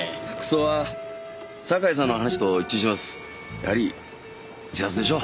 やはり自殺でしょう。